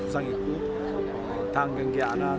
dan anahan juga tidak bisa menang